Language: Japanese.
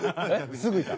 すぐいた。